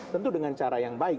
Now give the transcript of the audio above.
tentu dengan cara yang baik